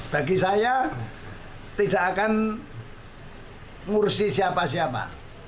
bagi saya tidak akan ngursi siapa siapa